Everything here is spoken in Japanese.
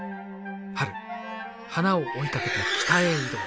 春花を追いかけて北へ移動。